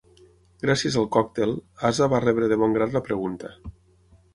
Gràcies al còctel, Asa va rebre de bon grat la pregunta.